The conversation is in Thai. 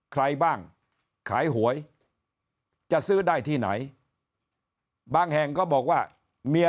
ใครบ้างขายหวยจะซื้อได้ที่ไหนบางแห่งก็บอกว่าเมีย